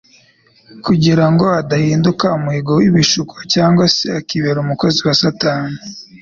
kugira ngo adahinduka umuhigo w'ibishuko cyangwa se akibera umukozi wa Satani.